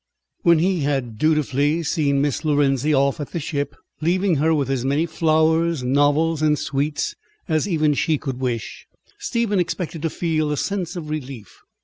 II When he had dutifully seen Miss Lorenzi off at the ship, leaving her with as many flowers, novels, and sweets as even she could wish, Stephen expected to feel a sense of relief.